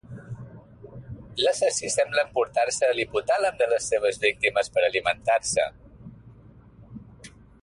L'assassí sembla emportar-se l'hipotàlem de les seves víctimes, per alimentar-se.